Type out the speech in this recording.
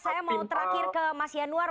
saya mau terakhir ke mas yanuar